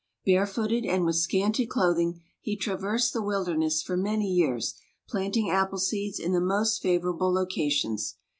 Barefooted, and with scanty clothing, he traversed the wilderness for many years, planting appleseeds in the most favorable locations.